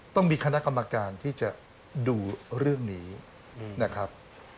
ต้องมีคณะกรรมการที่จะดูเรื่องนี้นะครับ